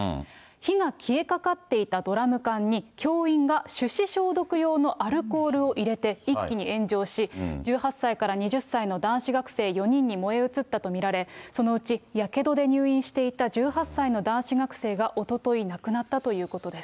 火が消えかかっていたドラム缶に、教員が手指消毒用のアルコールを入れて、一気に炎上し、１８歳から２０歳の男子学生４人に燃え移ったと見られ、そのうちやけどで入院していた１８歳の男子学生が、おととい亡くなったということです。